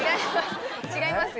違います